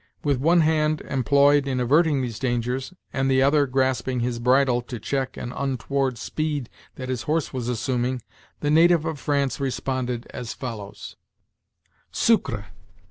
With one hand employed in averting these dangers, and the other grasping his bridle to check an untoward speed that his horse was assuming, the native of France responded as follows: "Sucre!